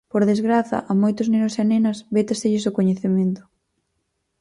Por desgraza, a moitos nenos e nenas vétaselles o coñecemento.